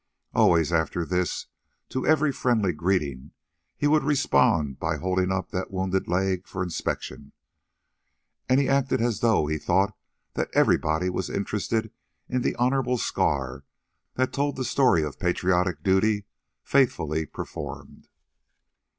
Always, after this, to every friendly greeting, he would respond by holding up the wounded leg for inspection, and he acted as though he thought that everybody was interested in the honorable scar that told the story of patriotic duty faithfully performed.